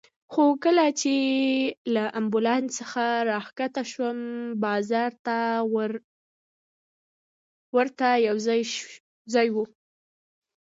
خو کله چې له امبولانس څخه راکښته شوم، بازار ته ورته یو ځای و.